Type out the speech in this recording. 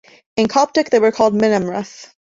In Coptic, they were called "Minamref".